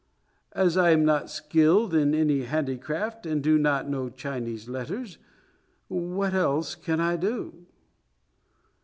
As I am not skilled in any handicraft, and do not know Chinese letters, what else can I do?"